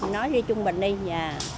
nói với trung bình đi